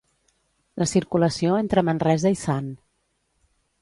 La circulació entre Manresa i Sant.